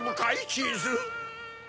チーズ。